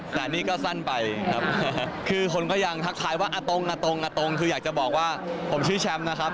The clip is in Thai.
แต่อันนี้ก็สั้นไปครับคือคนก็ยังทักทายว่าตรงอ่ะตรงคืออยากจะบอกว่าผมชื่อแชมป์นะครับ